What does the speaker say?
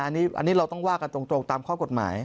อันนี้เราต้องว่ากันตรงตามข้อกฎหมาย